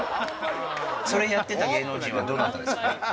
それやってた芸能人は、どなたですか？